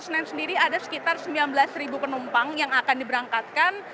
di stasiun gambir sendiri ada sekitar sembilan belas penumpang yang akan diberangkatkan